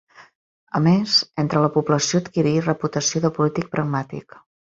A més, entre la població adquirí reputació de polític pragmàtic.